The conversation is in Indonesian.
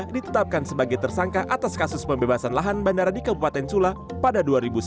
ditetapkan sebagai tersangka atas kasus pembebasan lahan bandara di kabupaten sula pada dua ribu sembilan belas